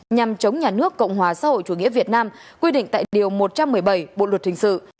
nhằm chống nhà nước cộng hòa xã hội chủ nghĩa việt nam quy định tại điều một trăm một mươi bảy bộ luật hình sự